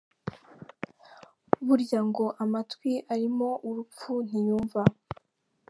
Burya ngo amatwi arimo urupfu ntiyumva.